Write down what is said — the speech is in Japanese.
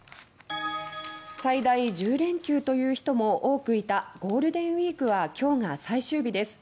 最大１０連休という人も多くいたゴールデンウィークは今日が最終日です。